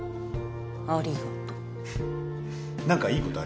ありがと。